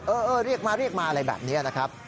เออเรียกมาอะไรแบบนี้นะครับ